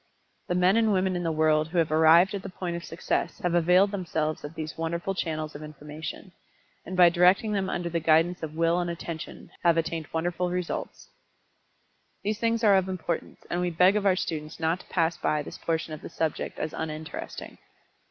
The men and women in the world who have arrived at the point of success have availed themselves of these wonderful channels of information, and by directing them under the guidance of Will and Attention, have attained wonderful results. These things are of importance, and we beg of our students not to pass by this portion of the subject as uninteresting.